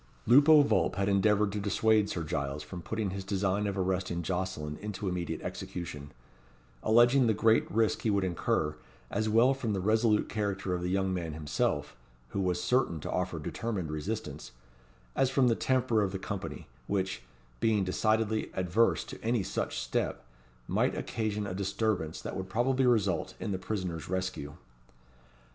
Lupo Vulp had endeavoured to dissuade Sir Giles from putting his design of arresting Jocelyn into immediate execution; alleging the great risk he would incur, as well from the resolute character of the young man himself, who was certain to offer determined resistance, as from the temper of the company, which, being decidedly adverse to any such step, might occasion a disturbance that would probably result in the prisoner's rescue.